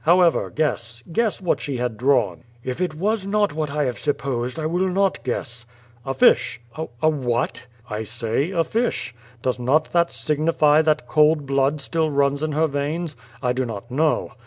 However, guess, guess what she )iad drawn?'' ^Tt it was not what I have supposed, I will not guess.'^ "A fish." "A what?" "I say — a fish. Does not that signify that cold blood still runs in her veins? I do not Icnow.